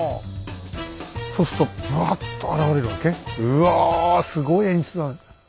うわすごい演出だね。